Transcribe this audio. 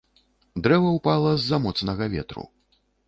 Дрэва ўпала з-за моцнага ветру.